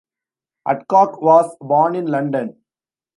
Adcock was born in London.